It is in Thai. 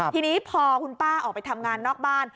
ทีนี้พอคุณป้าออกไปทำงานนอกบ้าน